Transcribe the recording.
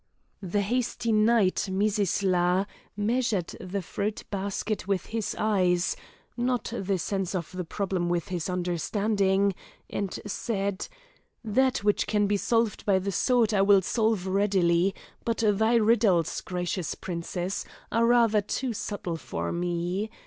The hasty knight, Mizisla, measured the fruit basket with his eyes not the sense of the problem with his understanding and said: "That which can be solved by the sword I will solve readily, but thy riddles, gracious princess, are rather too subtle for me.